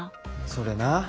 それな。